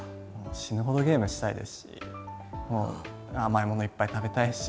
死ぬほどゲームしたいですし甘い物いっぱい食べたいし。